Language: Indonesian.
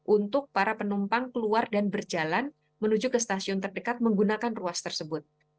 untuk para penumpang keluar dan berjalan menuju ke stasiun terdekat menggunakan ruas tersebut